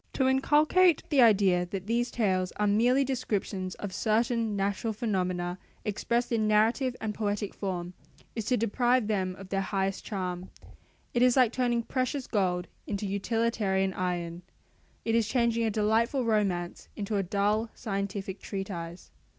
To inculcate the idea that these tales are merely descriptions of certain natural phenomena expressed in narrative and poetic form, is to deprive them of their highest charm; it is like turning precious gold into utilitarian iron: it is changing a delightful romance into a dull scientific treatise.